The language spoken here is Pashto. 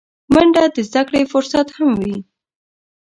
منډه د زدهکړې فرصت هم وي